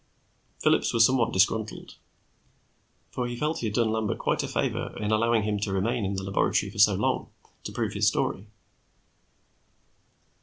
Phillips was somewhat disgruntled, for he felt he had done Lambert quite a favor in allowing him to remain in the laboratory for so long, to prove his story.